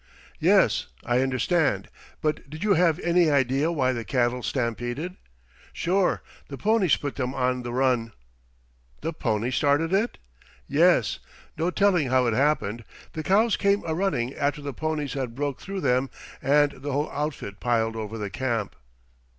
"Yes, I understand; but did you have any idea why the cattle stampeded?" "Sure. The ponies put them on the run." "The ponies started it?" "Yes. No telling how it happened. The cows come a running after the ponies had broke through them, and the whole outfit piled over the camp."